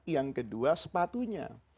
yang kedua sepatunya